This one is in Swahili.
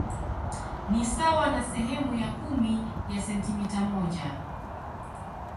Ni sawa na sehemu ya kumi ya sentimita moja.